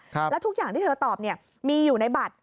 แล้วทุกอย่างที่เธอตอบเนี่ยมีอยู่ในบัตร